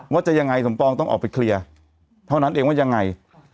ว่าจะยังไงสมปองต้องออกไปเคลียร์เท่านั้นเองว่ายังไง